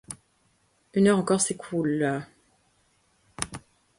Une heure encore s’écoula.